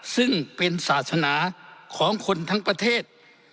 ซึ่งเป็นศาสนาของคนทั้งประเทศ